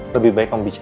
lebih baik kamu bicara